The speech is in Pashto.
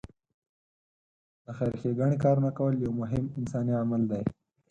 د خېر ښېګڼې کارونه کول یو مهم انساني عمل دی.